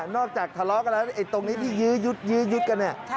อกจากทะเลาะกันแล้วไอ้ตรงนี้ที่ยื้อยุดยื้อยุดกันเนี่ย